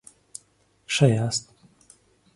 ښه یاست؟